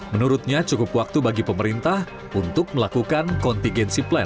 menurutnya cukup waktu bagi pemerintah untuk melakukan contingsi plan